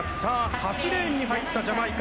８レーンに入ったジャマイカ。